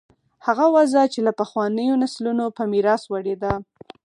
هغه وضع چې له پخوانیو نسلونو په میراث وړې ده.